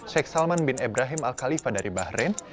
sheikh salman bin ibrahim al khalifa dari bahrain